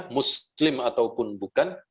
muslim ataupun bukan